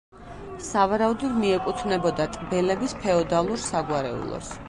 სავარაუდოდ მიეკუთვნებოდა ტბელების ფეოდალურ საგვარეულოს.